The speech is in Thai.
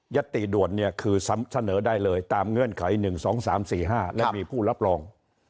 ติด่วนเนี่ยคือเสนอได้เลยตามเงื่อนไข๑๒๓๔๕และมีผู้รับรอง